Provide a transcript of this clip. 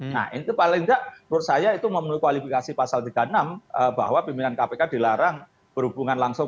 nah itu paling tidak menurut saya itu memenuhi kualifikasi pasal tiga puluh enam bahwa pimpinan kpk dilarang berhubungan langsung